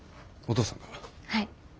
はい。